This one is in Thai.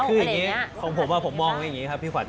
คืออย่างนี้ของผมผมมองอย่างนี้ครับพี่ขวั